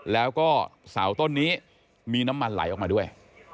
แล้วก็เสาต้นนี้มีน้ำมันไหลออกมาด้วย